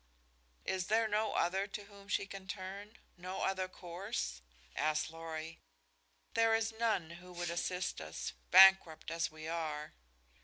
"Is there no other to whom she can turn no other course?" asked Lorry. "There is none who would assist us, bankrupt as we are.